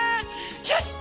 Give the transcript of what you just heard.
よし！